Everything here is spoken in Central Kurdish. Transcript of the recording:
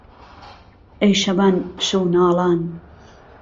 ئهی شهوان شهو ناڵان